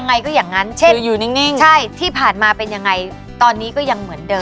ไงตอนนี้ก็ยังเหมือนเดิม